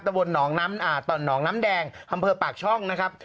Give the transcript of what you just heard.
หนองน้ำแดงอำเภอปากช่องนะครับ